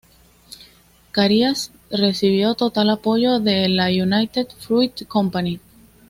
Carias recibió total apoyo de la United Fruit Company.